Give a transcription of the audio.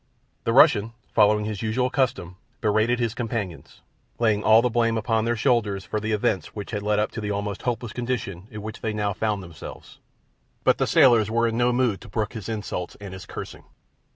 The Russian, following his usual custom, berated his companions, laying all the blame upon their shoulders for the events which had led up to the almost hopeless condition in which they now found themselves; but the sailors were in no mood to brook his insults and his cursing.